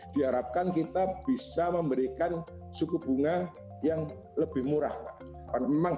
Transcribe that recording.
diharapkan kita bisa memberikan suku bunga yang lebih murah pak